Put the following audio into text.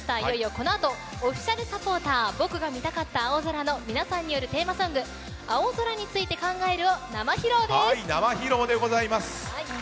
このあとオフィシャルサポーター僕が見たかった青空の皆さんによるテーマソング「青空について考える」を生披露です！